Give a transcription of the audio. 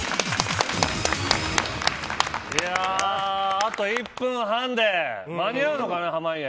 あと１分半で間に合うのかな濱家。